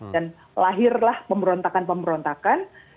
dan lahirlah pemberontakan pemberontakan